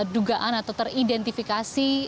dugaan atau teridentifikasi